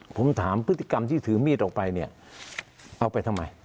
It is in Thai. ผมถามพฤติกรรมที่ถือมีดออกไปเนี่ยเอาไปทำไม